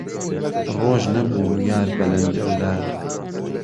ڕۆژ نهبوو یار به لهنجهولار